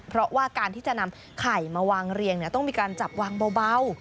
เพราะว่าการที่จะนำไข่มาวางเรียงต้องมีการจับวางเบา